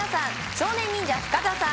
少年忍者深田さん